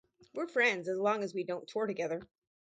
We're friends as long as we don't tour together.